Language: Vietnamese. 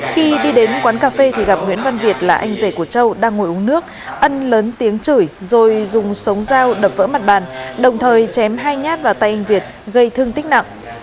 khi đi đến quán cà phê thì gặp nguyễn văn việt là anh rể của châu đang ngồi uống nước ân lớn tiếng chửi rồi dùng sống dao đập vỡ mặt bàn đồng thời chém hai nhát vào tay anh việt gây thương tích nặng